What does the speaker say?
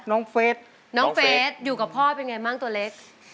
น้องเฟซอยู่กับพ่อเป็นอย่างไรมั่งตัวเล็ก